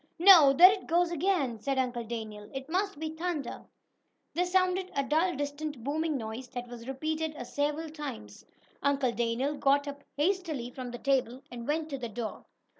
"No. There it goes again!" said Uncle Daniel. "It must be thunder!" There sounded a dull distant booming noise, that was repeated several times. Uncle Daniel got up hastily from the table and went to the door.